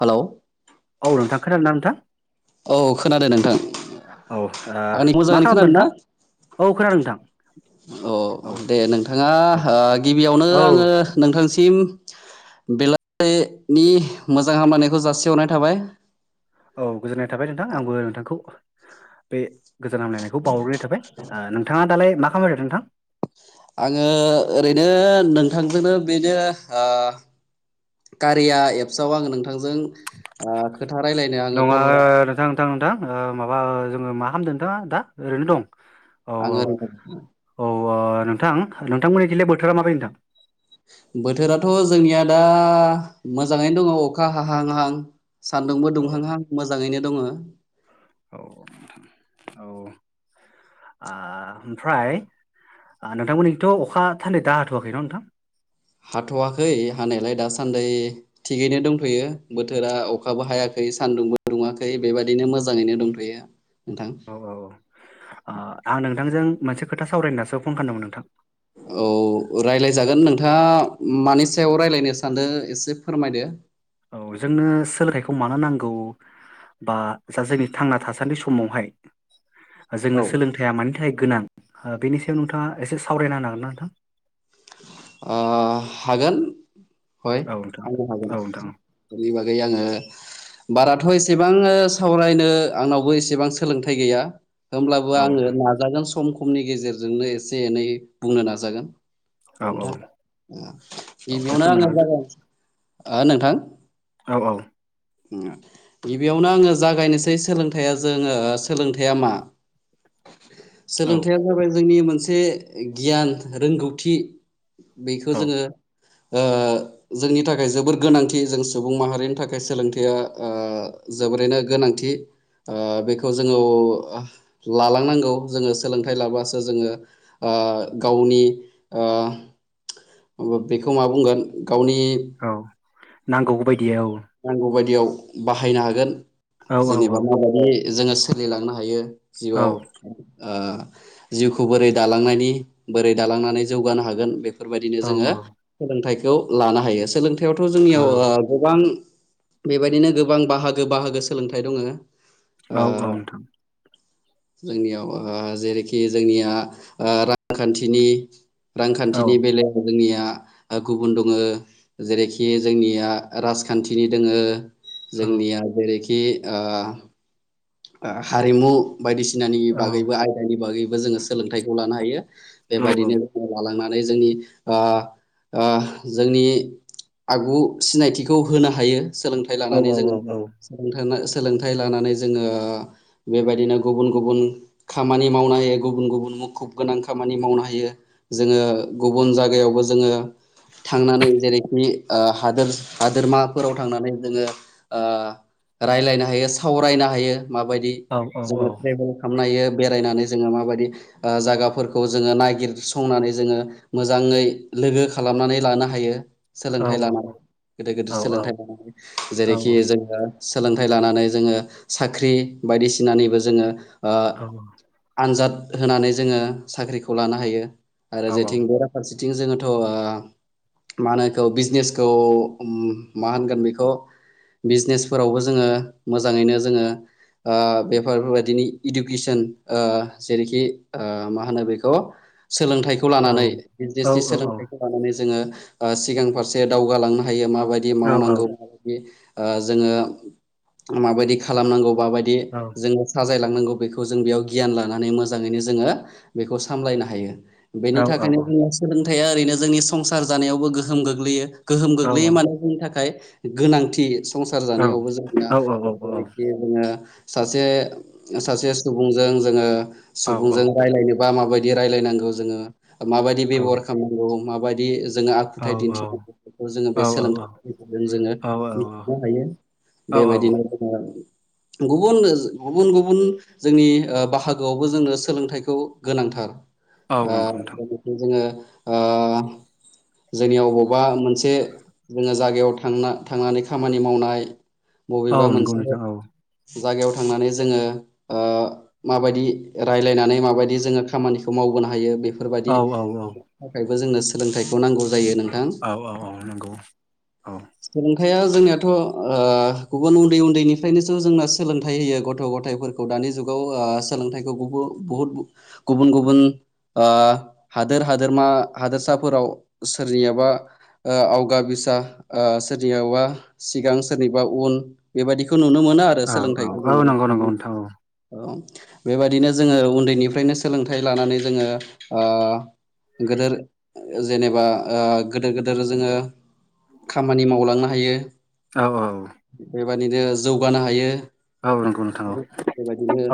Hello. औ नोंथां खोनादोंना नोंथां। औ खोनादों नोंथां औ ओ आंनि मा मोजाङैनो खालामदों खोनादों ना। नोंथां औ खोनादों नोंथां औ अ दे नोंथाङा औ ओ गिबियावनो औ आङो नोंथांसि सिम [unintelligible] नि मोजां हामलनायखौ जासिहरनाय थाबाय। औ गोजोननाय थाबाय नोंथां आंबो नोंथांखौ बे। गोजोन हामलायनायखौ बावहरनाय थाबाय ओ नोंथाङा दालाय मा खामायदों नोंथां। आङो ओरैनो नोंथांजोंनो बेनो ओ। कारिया एप्सआव आङो नोंथांजों ओ। खोथा रायलायनो आङो नङा कल नोंथां - नोंथां - नोंथां ओ माबा जोङो मा खामदों नोंथाङा दा ओरैनो दं। औ आङो [inaudible] औ ओ नोंथां नोंथांमोननि बिलाय बोथोरा माबायदि नोंथां। थ' जोंनिया दा मोजाङैनो दङ अखा हाहां-हाहां। सान्दुंबो औ दुंहांहां मोजाङैनो दङो। औ नोंथां औ ओ ओमफ्राय। ओ नोंथांमोननिथ' अखा थान्दै दा हाथ'वाखै न नोंथां। हाथ'वाखै हानायालाय दासान्दि थिगैनो दंथ'यो बोथोरा अखाबो हायाखै। सानदुंबो दुङाखै बेबायदिनो मोजाङैनो दंथ'यो। नोंथां औ औ ओ आं नोंथांजों मोनसे खोथा सावरायनो होननासो फन खामदोंमोन नोंथां। औ रायलाजागोन नोंथाङा। मानि सायाव राइलायनो सानदों एसे फोरमायदो। औ जोंनो सोलोंथाइखौ मानो नांगौ। बा जा जोंनि थांना थासान्दि समावहाय। औ जोंनो सोलोंथाइया मानि थाखाय गोनां बेनि सायाव नोंथाङा एसे सावरायना होनो हागोन ना नोंथां। ओ हागोन। हय हागोन ना आंनो हागोन नोंथां बेनि बागै आङो। बाराथ' एसेबां सावरायनो आंनावबो एसेबां सोलोंथाइ गैया। होमब्लाबो औ नोंथां औ आङो नोंथां नाजागोन सम खमनि गेजेरजोंनो एसे एनै बुंनो नाजागोन। औ नोंथां औ औ दे नोंथां फोरमायना गिबियावनो होदो। आङो [unintelligible] ओ नोंथां। औ। गिबियावनो आङो जागायनोसै सोलोंथाइआ जोङो सोलोंथाइया मा। [unintelligible] औ सोलोंथाइया जाबाय जोंनि मोनसे गियान रोंगौथि। बेखौ औ जोङो। जोंनि थाखाय जोबोर गोनांथि जों सुबुं माहारिनि थाखाय सोलोंथ बेयो जोबोरैनो गोनांथि बेखौ जोङो लालांनांगौ जोङो सोलोंथाइ लाबसो जोङो गावनि बेखौ मा बुंगोन गावनि औ नांगौ बायदि औ याव बाहायनो हागोन औ औ जेनेबा माबायदि जोङो सोलिलांनो हायो औ जिबाव जिउखौ बोरै दालांनायनि बोरै दालांनानै जौगानो हागोन बे बेफोरबायदिनो औ नोंथां औ जोङो औ सोलोंथाइखौ लानो हायो सोलोंथायाइयावथ' जोंनियाव ओ गोबां बेबायदिनो गोबां बाहागो बाहागो सोलोंथाइ दङो औ औ नोंथां जोंनियाव ओ जेरैखि जोंनिया ओ रांखान्थिनि रांखान्थिनि बेलायाव जोंनिया गुबुन दङो जेरैखि जोंनिया राजखान्थिनि दोङो जोंनिया जेरैखि ओ हारिमु बायदिसिनानि बागैबो आयदानि बागैबो जोङो सोलोंथाइखौ लानो हायो बेबायदिनो जोङो लालांना नै जोंनि ओ ओ जोंनि आगु सिनायथिखौ होनो हायो सोलोंथाइ लानानै जोङो सोलोंथाइ लानानै जोङो ङो बेबायदिनो गुबुन गुबुन खामानि मावनो हायो गुबुन गुबुन मुखुब गोनां खामानि मावनो हायो जोङो गुबुन जायगायावबो जोङो थांनानै जेरैखि ओ हादोर हादोरमाफोराव थांनानै जोङो ओ रायलायनो हायो सावरायनो हायो माबायदि जोङो ट्रेभेल खालामनो हायो बेरायनानै जोङो माबायदि ओ जायगाफोरखौ जोङो नायागिरसंनानै जोङो मोजाङै लोगो खालामनानै लानो हायो सोलोंथाइ लानानै गिदिर गिदिर सोलोंथाइ लानानै जेरैखि जोङो सोलोंथाइ लानानै जोङो साख्रि बायदिसिनानिबो जोङो ओ आनजाद होनानै जोङो साख्रिखौ लानो हायो आरो जेथिं बेराफारसेथिं जोङोथ' ओ मा होनोखौ बिजनेसखौ मा होनगोन बेखौ बिजनेसफोरावबो जोङो मोजाङैनो जोङो ओ बेफोरबायदिनि इडुकेसन ओ जेरैखि ओ मा होनो बेखौ सोलोंथाइखौ लानानै बिजनेसनि सोलोंथाइखौ लानानै जोङो ओ सिगां फारसे दावगालांनो हायो माबायदि औ औ मावनांगौ माबायदि ओ जोङो माबायदि खालामनांगौ माबायदि औ जोङो सा जायलांनांगौ बेखौ जों बेयाव गियान लानानै मोजाङैनो जोङो बेखौ सामलायनो हायो बेनि औ थाखायनो औ औ जोंनि सोलोंथाइया ओरैनो जोंनि संसार जानायावबो गोहोम गोग्लैयो गोहोम गोग्लैयो मानो जोंनि थाखाय गोनांथि संसार जानायावबो जोंनिया औ जखि सासे सुबुंजों जोङो सुबुंजों रायनोबा माबाय दि रायलायनांगौ जोंङो माबायदि बेबहार खामनांगौ माबायदि जोङो आखुथाय दिन्थिनांगौफोरखौ जोङो बे सोलोंथाइनि गेजेरजों जोङो मिथिनो हायो बेबायदिनो जोंङो गुबुन गुबुन गुबुन जोंनि ओ बाहागोआवबो जोंनो सोलोंथाइखौ गोनांथार ओ बेनिफ्राय जोङो ओ जोंनियाव बबेबा मोनसे जोङो जायगायाव थांना थांनानै खामानि मावनाय बबेबा मोनसे जायगायाव थांनानै जोङो ओ माबायदि रायलायनानै माबायदि जोङो खामानि खौ मावबोनो हायो बेफोरबायदि थाखायबो जोंनो सोलोंथाइ खौ नांगौ जायो नोंथां खोथाया जोंनियाथ' ओ गुबुन उन्दै उन्दैनिफ्रायनो थ जोंना सोलोंथाइ होयो गथ' गथफोरखौ दानि जुगाव सोलोंथाइखौ बहु गुबुन गुबुन गुबुन हादोर हादोरमा हादोरसाफोराव सोरनियबा ओ आवगा बिसा सोरनिबा सिगां सोरनिबा उन बेबायदिखौ नुनो मोन मोनो आरो सोलोंथाइखौ औ नंगौ नोंथां औ नंगौ नोंथां औ नंगौ औ जोङो नंगौ नंगौ नोंथां औ बेबायदिनो जोङो उन्दैनिफ्रायनो सोलोंथाइ लानानै जोङो ओ गोदोर जेनेबा ओ गोदोर गोदोर जोङो खामानि मावलांनो हायो। औ औ बेबायदिनो जौगानो हायो। औ नंगौ नोंथां औ [inaudible]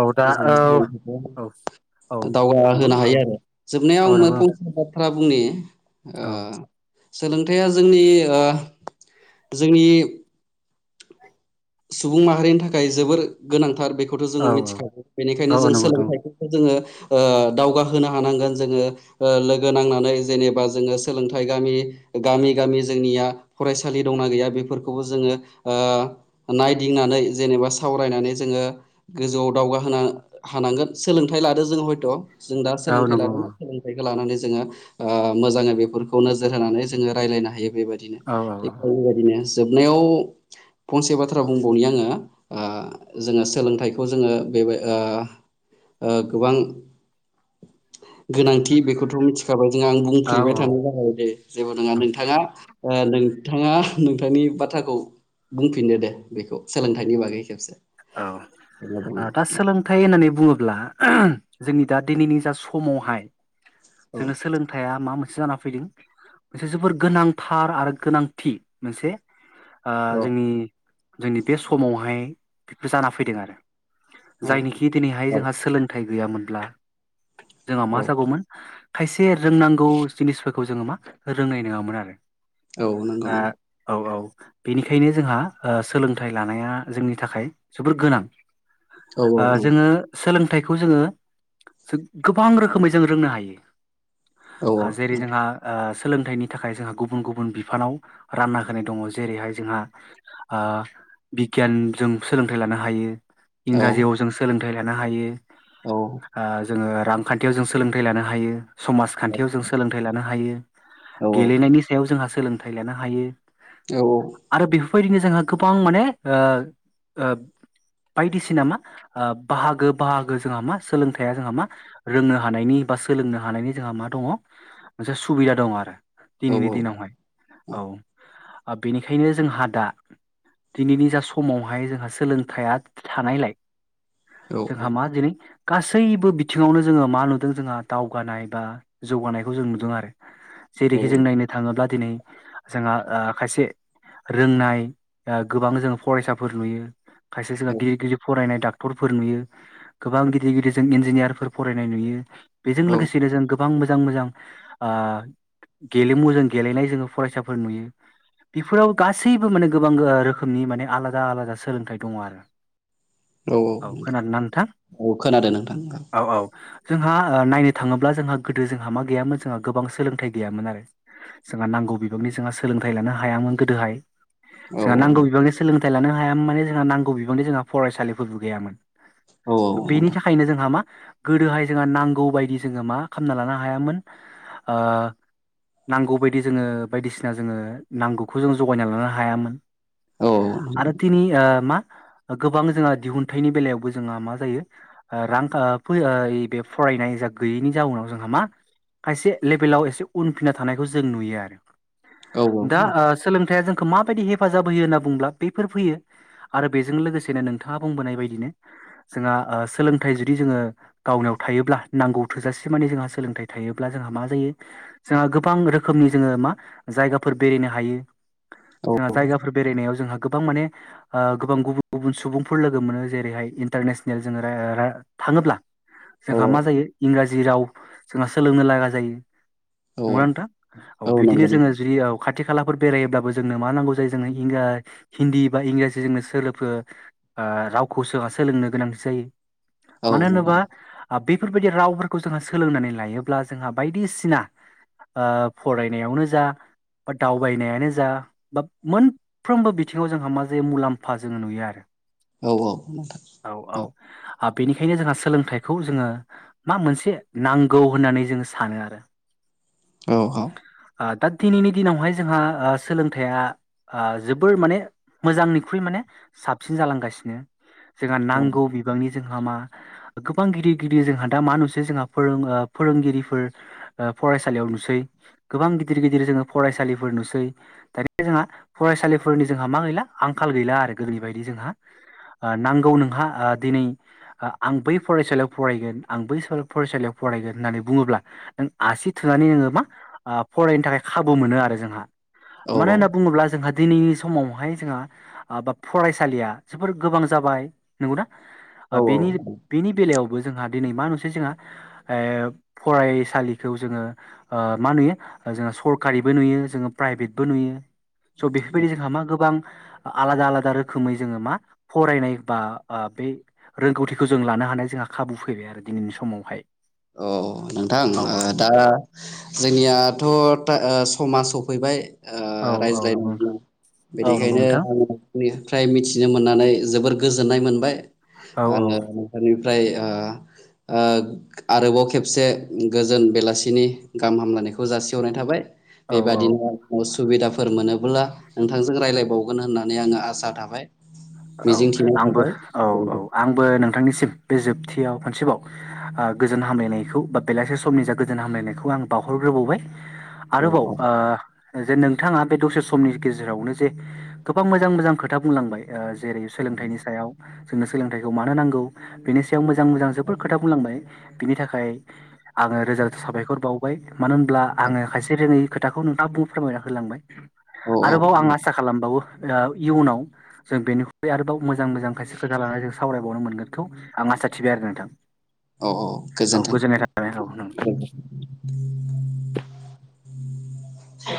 औ दा औ औ औ दावगा नंगौ होनो औ हायो आरो औ जोबनायाव आं नंगौ फंसे बाथ्रा बुंनि ओ नोंथां सोलोंथाइा जोंनि ओ जोंनि सुबुं माहारिनि थाखाय जोबोर गोनां थार बेखौथ' औ जोङो मिथिखागौ औ बेनिखायनो औ जों नंगौ नोंथां सोलोंथाइफोरखौ जोङो ओ दावगाहोनो हानांगोन जोङो ओषलोगो नांनानै जेनेबा जोङो सोलोंथाइ गामि- गामि गामि जोंनिया फरायसालि दंना गैया बेफोरखौबो जोङो ओ नायदिंनानै जेनेबा सावरायनानै जोङो गोजौआव दावगा होनो हानांगोन सोलोंथा लादो जों हयथ' जों दा औ सोलोंथाइ नंगौ लादों [unintelligible] लानानै जोंहा ओ मोजाङै बेफोरखौ नोजोर होनानै जोङो रायज्लायनो हायो। बेबायदिनो औ थिग बेबायदिनो जोबनायाव फंसे बाथ्रा बुंबावनि आङो जोङो सोलोंथाइखौ जोङो बेबाय ओ ओ गोबां गोनांथि बेखौथ' मिथिखाबाय आं औ बुंफ्लिबाय थानाय जाबाय दे जेबो नङा औ नोंथाङा नोंथाङा नोंथांनि बाथ्राखौ बुंफिनदो दे बेखौ सोलोंथाइनि बागै खेबसे औ औ दा सोलोंथाइ होननानै बुङोब्ला जोंनि दा दिनैनि जा समावहाय औ जोङो सोलोंथाइया मा मोनसे जाना फैदों मोनसे जोबोर गोनांथार आरो गोनांथि मोनसे ओ जोंनि जोंनि बे समावहाय बिब्दि जाना फैदों आरो औ जायनिखि दिनैहाय जोंहा सोलोंथाइ गैयामोनब्ला जोंहा मा औ जागौमोन खायसे रोंनांगौ जिनिसफोरखौ जोङो मा रोंनाय नङामोन आरो। औ नंगौ आ नंगौ औ औ बेनिखायनो जोंहा सोलोंथाइ लानाया जोंनि थाखाय जोबोर गोनां औ औ जोङो सोलों थायखौ जोङो गोबां रोखोमै जों रोंनो हायो। औ जेरै जोंहा ओ सोलोंथाइनि थाखाय जोंहा गुबुन गुबुन बिफानाव रानना होनाय दङ जेरैहाय जोंहा ओ बिगियान जों सोलोंथाइ लानो हायो, औ इंराजियाव जों सोलोंथाइ लानो हायो। औ जोङो रांखान्थियाव जों सोलोंथाइ लानो हायो। समाजखान्थियाव जों सोलोंथाइ लानो हायो, औ गेलेनायनि सायाव जोंहा सोलोंथाइ लानो हायो। औ औ फैदिनो जोंहा गोबां माने ओ ओ बायदिसिना मा बाहागो-बाहागो जोंहा मा सोलोंथाइया जोंहा मा रोंनो हानायनि बा सोलोंनो हानायनि जोंहा मा दङ मोनसे सुबिदा दङ आरो दिनैनि दिनावहाय औ बेनिखायनो जोंहा दा दिनैनि जा समाव बेहाय जोंहा सोलोंथाइया थानायलाय औ जोंहा मा दिनै गासैबो बिथिङावनो जोङो मा नुदों जोंहा दावगानाय बा जौगानायखौ जों नुदों आरो जेरैखि जों नायनो थाङोब्ला दिनै जोंहा ओ खायसे रोंनाय आ गोबां जों फरायसा फोर नुयो खायसे जोंहा गिदिर गिदिर फरायनाय डाक टरफोर नुयो गोबां गिदिर गिदिर जों इन्जिनियारफोर फरायनाय नुयो बेजों लोगोसेनो जों गोबां मोजां मोजां आ गेलेमु जों गेलेनाय जोङो फरायसाफोर नुयो बेफोराव गासैबो माने गोबां गोआ रोखोमनि माने आलादा आलादा सोलोंथाइ दङ आरो। औ खोनादोआ नोथा? औ खोनादों नोंथां औ औ। जोंहा आ नायनो थाङोब्ला जोंहा गोदो जोंहा मा गैयामोन जोंहा गोबां सोलोंथाइ गैयामोन आरो। जोंहा नांगौ बिबांनि जोंहा सोलोंथाइ लानो हायामोन गोदोहाय। औ जोंहा नांगौ बिबांनि सोलोंथाइ लानो हायामोन मे जोंहा नांगौ बिबांनि जोंहा फरायसालिफोरबो गैयामोन। औ औ बेनि नोंथां थाखायनो जोंहा मा गोदोहाय जोंहा नांगौ बायदि जोङो मा खालामना लानो हायामोन आ नांगौबायायदि जोङो बायदिसिना जोङो नांगौखौ जों जगायना लानो हायामोन औ आरो थिनि ओ मा गोबां जोंहा दिहुनथाइनि बेलायावबो जोंहा मा जायो आ रां आ [unintelligible] फ्रायनाय जा गैयैनि जाउनाव जोंहा मा खायसे लेबेलाव एसे उनफिनना थानायखौ जों नुयो आरो औ दा आ सोलोंथाया जोंखो माबायदि हेफाजाब होयो होनना बुंब्ला बेफोर फैयो आरो बेजों लोगोसेनो नोंथाङा बुंबोनाय बायदिनो जोंहा आ सोलोंथाइ जुदि जोङो गावनाव थायोब्ला नांगौ थोजासे मान जों सोंलोंथाइ थायोब्ला जोंहा मा जायो जोङा गोब बां रोखोमनि जोङो मा जायगाफोर बेरेनो हायो औ जोंहा जायगाफोर बेरायनायाव जोंहा गोबां माने आ गोबां गुबुन गुबुन सुबुंफोर लोगो मोनो जेरैहाय इन्टारनेसनेल जोङो रेरा थाङोब्ला औ जोंहा मा जायो इंराजि राव जोंहा सोलोंनो लागा जायो औ नङा नोथा औ बिब्दिनो नंगौ नंगौ जोङो जुदि औ खाथ थि खालाफोर बेरायोब्लाबो जोंनो मा नांगौ जायो इंगा हिन्दी बा इंराजि जोङनो सोलोफो आ रावखौ सोहा सोलोंनो गोनांथि जायो औ मानो नंगौ होनोबा आब बेफोरबायदि रावफोरखौ जोंहा सोलोंनानै लायोब्ला जोंहा बायदिसिना आ फरायनायावनो जा बा दावबायनायानो जा बा मोनफ्रोमबो बि थिङाव जोंहा मा जे मुलाम्फा जोङो नुयो आरो। औ-औ नोंथा औ आ बेनिखायनो जोंहा सोलोंथाइखौ जोङो मा मोनसे नांगौ होननानै जोङो सानो आरो [inaudible] औ औ आ दा दिनिनि दिनावहाय जोंहा आ सोलोंथाया आ जोबोर माने मोजांनिख्रुइ माने साबसिन जालांगासिनो जोंहा औ नांगौ बिबांनि जोंहा मा गोबां गिदिर गिदिर जोंहा दा मा नुसै जोंहा फोरों आ फोरोंगिरिफोर ओ फरायसालियाव नुसै गोबां गिदिर गिदिर जोङो फरायसालिफोर नुसै दानि जोंहा फरायसालिफोरनि जोंहा मा गैला आंखाल गैला आरो गोदोनि बायदि जोंहा आ नांगौ नोंहा आ दिनै आं बै फरायसालियाव फरायगोन आं बै स फरायसालियाव फ फरायगोन होननानै बुङोब्ला नों आसि थोननानै ओङो मा आ फरायनो थाखाय खाबु मोनो आरो जोंहा। औ मानो होनना बुङोब्ला जोंहा दिनै समावहाय जोंहा आबाब फरायसालिया जोबोर गोबां जाबाय नंगौना? आ औ बेनि औ औ बेनि बेलायाव बो जोंहा दिनै मा नुसै जोंहा एफ फरायसालिखौ जोङो ओ मा नुयो आ जोंहा सरकारिबो नुयो जोङो प्राइभेटबो नुयो सह बेफोरबायदि जोंहा मा गोबां आलादा आलादा रोखोमै जोङो मा फरायनाय बा आ बे रोंगौथिखौ जों लानो हानाय जोंहा खाबु फैबाय आरो दिनैनि समावहाय अ नोंथां औ ओ औ दा जोंनियाथ' था ओ समा सफैबाय ओ औ औ रायज्लाय नंगौ नोंथां [unintelligible] औ नंगौ बेनिखायनो नोंथां आङो [unintelligible] फ्राय मिथिनो मोननानै जोबोर गोजोननाय मोनबाय औ औ आङो नोंथांनि फ्राय ओ-ओ आरोबाव खेबसे गोजोन बेलासिनि गाहाम हामलायनायखौ जासिहरनाय थाबाय औ औ बेबादिनो उसुबिदाफो फोर मोनोब्ला नोंथांजों रायलायबावगोन होननानै आङो आसा थाबाय औ मिजिंथिनाय आंबो थाबाय औ-औ गोजोन्थों। आंबो नोंथांनिसिम बे जोबथियाव खनसेबाव ओ गोजोन हामलायनायखौ बा बेलासे समनि जा गोजान हामलायनायखौ आं बावहर रोबावबाय आरोबाव औ औ ओ जे नों थाङा बे दसे समनि गेजेरावनो जे गोबां मोजां मोजां खोथा बुंलांबाय ओ जेरै सोलोंथाइनि सायाव जोंनो सोलोंथाइखौ मानो नांगौ बेनि सायाव मो जां मोजां जोबोद खोथा बुंलांबाय बिनि थाखाय आङो रोजा रोजा साबायखर बावबाय मानो होनब्ला आङो खायसे रोङै खोथाखौ नोंथाङा बुं फोरमायना होलांबाय। औ आरोबाव आं आसा खालामबावो ओ इयुनाव जों बेनिख्रुइ आरोबाव मोजां मोजां खायसे खोथा लानानै जों सावरायबावनो मोनगोनखौ आं आसा थिबाय आरो नोंथां। औ औ औ औ गोजोननाय गोजोन्थों। थाबाय औ नों [unintelligible]